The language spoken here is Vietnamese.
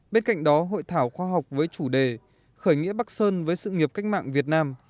bên cạnh đó hội thảo khoa học với chủ đề khởi nghĩa bắc sơn với sự nghiệp cách mạng việt nam